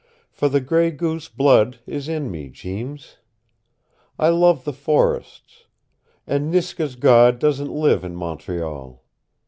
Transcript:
For the Gray Goose blood is in me, Jeems. I love the forests. And Niska's God doesn't live in Montreal.